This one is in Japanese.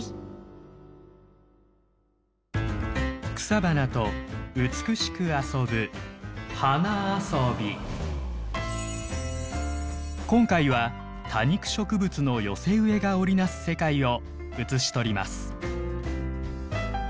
草花と美しく遊ぶ今回は多肉植物の寄せ植えが織り成す世界を写しとります。